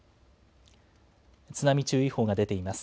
津波注意報が出ています。